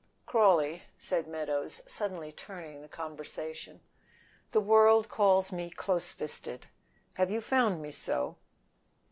"Crawley," said Meadows, suddenly turning the conversation, "the world calls me close fisted, have you found me so?"